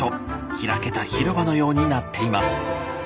開けた広場のようになっています。